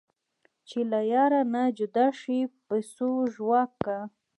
چې له یاره نه جدا شي پسو ژواک کا